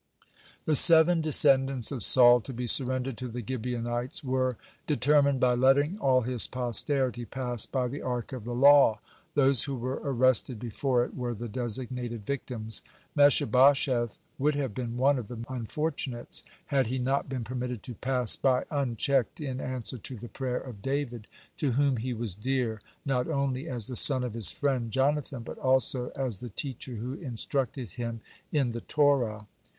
(114) The seven descendants of Saul to be surrendered to the Gibeonites were determined by letting all his posterity pass by the Ark of the law. Those who were arrested before it were the designated victims. Mephibosheth would have been one of the unfortunates, had he not been permitted to pass by unchecked in answer to the prayer of David, (115) to whom he was dear, not only as the son of his friend Jonathan, but also as the teacher who instructed him in the Torah.